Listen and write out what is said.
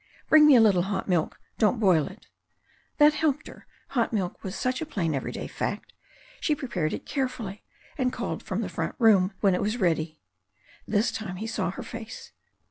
"Bring me a little hot milk; don't boil it." That helped her. Hot milk was such a plain everyday fact. She prepared it carefully, and called from the front room when it was ready. This time he saw her face.